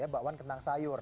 bakwan kentang sayur